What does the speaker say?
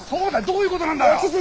どういうことなんだよ！